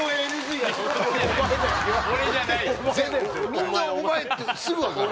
みんなお前ってすぐ分かる。